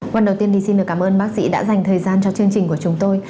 quân đầu tiên xin cảm ơn bác sĩ đã dành thời gian cho chương trình của chúng tôi